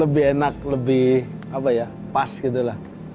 lebih enak lebih apa ya pas gitu lah